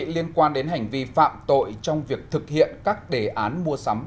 liên quan đến hành vi phạm tội trong việc thực hiện các đề án mua sắm